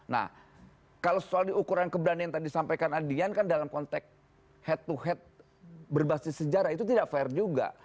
nah kalau soal ukuran keberanian tadi sampaikan adian kan dalam konteks head to head berbasis sejarah itu tidak fair juga